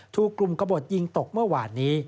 ถูกกลุ่มกระบดยิงตกเมื่อวานนี้